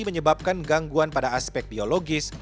menyebabkan gangguan pada aspek biologis